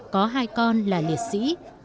có hai con là liệt sĩ